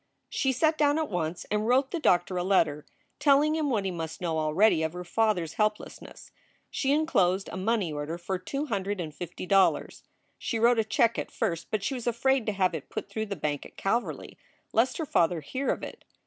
She sat down at once and wrote the doctor a letter, telling him what he must know already of her father s helplessness. She inclosed a money order for two hundred and fifty dollars. She wrote a check at first, but she was afraid to have it put through the bank at Calverly lest her father hear of it.